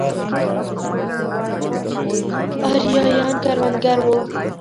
ارایایان کروندګر وو.